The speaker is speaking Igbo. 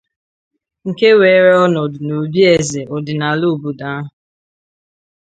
nke weere ọnọdụ n'obi eze ọdịnala obodo ahụ